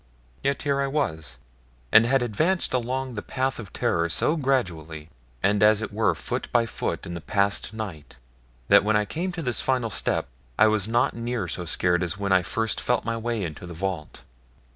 Yet here I was, and had advanced along the path of terror so gradually, and as it were foot by foot in the past night, that when I came to this final step I was not near so scared as when I first felt my way into the vault.